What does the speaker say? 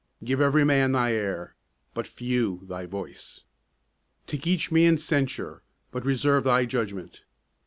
Give every man thy ear, but few thy voice; Take each man's censure, but reserve thy judgment.